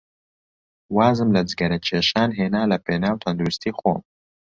وازم لە جگەرەکێشان هێنا لەپێناو تەندروستیی خۆم.